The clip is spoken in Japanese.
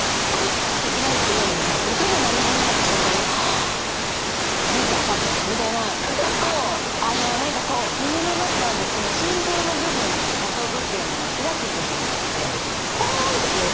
ッて開いて音が鳴り始めた瞬間に「あ出たハト」みたいなことと胸の中のこの心臓の部分に鳩時計の開く部分があってぽんってこう。